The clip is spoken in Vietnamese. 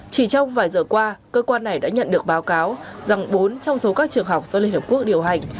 chỉ trong vài giờ qua cơ quan này đã nhận được báo cáo rằng bốn trong số các trường học do liên hợp quốc điều hành